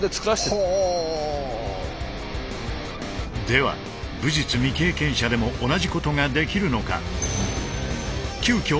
では武術未経験者でも同じことができるのか。